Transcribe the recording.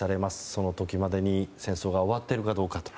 その時までに戦争が終わっているかどうか。